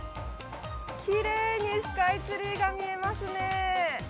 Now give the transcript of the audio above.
きれいにスカイツリーが見えますね。